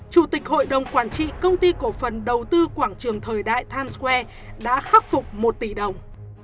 chủ tịch hội đồng quản trị công ty cổ phần đầu tư quảng trường thời đại times square đã khắc phục một tỷ đồng